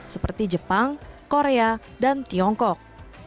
seperti jepang korea dan tiongkok